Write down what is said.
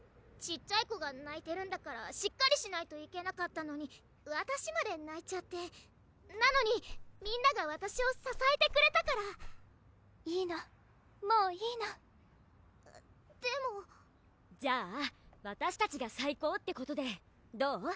小っちゃい子がないてるんだからしっかりしないといけなかったのにわたしまでないちゃってなのにみんながわたしをささえてくれたからいいのもういいのでもじゃあわたしたちが最高ってことでどう？